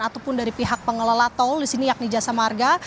ataupun dari pihak pengelola tol di sini yakni jasa marga